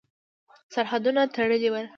سرحدونه تړلي ول.